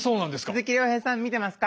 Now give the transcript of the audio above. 鈴木亮平さん見てますか？